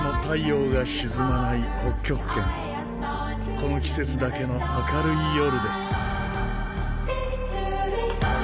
この季節だけの明るい夜です。